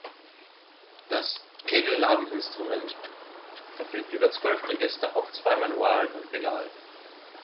Das Kegelladen-Instrument verfügt über zwölf Register auf zwei Manualen und Pedal.